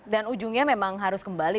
dan ujungnya memang harus kembali